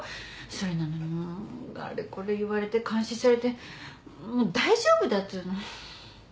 それなのにもうあれこれ言われて監視されてもう大丈夫だっつうのはぁ。